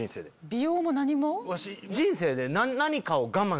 美容も何も？